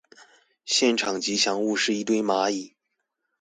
現場吉祥物是一堆螞蟻